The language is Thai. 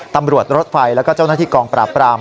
ตำรวจรถไฟแล้วก็เจ้าหน้าที่กองปราบปราม